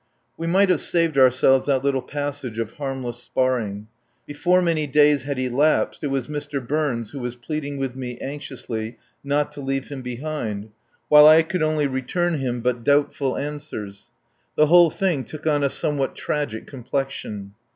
We might have saved ourselves that little passage of harmless sparring. Before many days had elapsed it was Mr. Burns who was pleading with me anxiously not to leave him behind; while I could only return him but doubtful answers. The whole thing took on a somewhat tragic complexion.